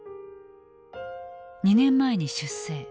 ２年前に出征。